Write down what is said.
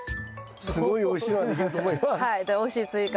すごいおいしいのができると思います。